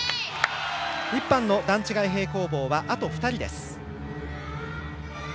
１班の段違い平行棒はあと２人です。